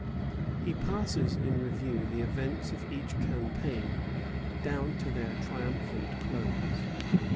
He passes in review the events of each campaign down to their triumphant close.